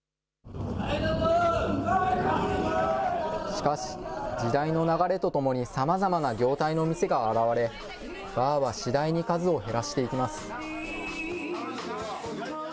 しかし、時代の流れとともにさまざまな業態の店が現れ、バーは次第に数を減らしていきます。